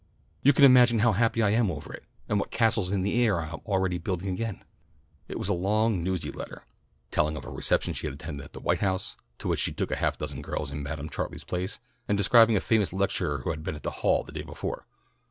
_' You can imagine how happy I am over it, and what castles in the air I am already building again." It was a long newsy letter, telling of a reception she had attended at the White House, to which she took half a dozen girls in Madam Chartley's place, and describing a famous lecturer who had been at the Hall the day before.